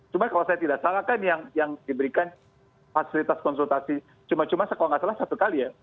cuma kalau saya tidak salah kan yang diberikan fasilitas konsultasi cuma cuma kalau nggak salah satu kali ya